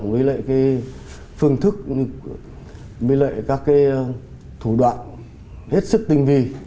với lại các thủ đoạn hết sức tinh vi